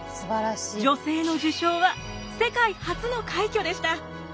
女性の受賞は世界初の快挙でした。